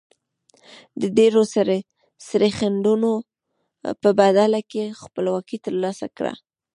د ډیرو سرښندنو په بدله کې خپلواکي تر لاسه کړه.